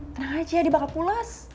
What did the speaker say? tenang aja dia bakal pulas